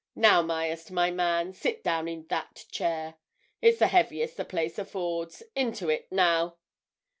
Now, Myerst, my man, sit down in that chair—it's the heaviest the place affords. Into it, now!